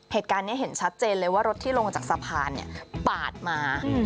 เหตุการณ์นี้เห็นชัดเจนเลยว่ารถที่ลงจากสะพานปาดมา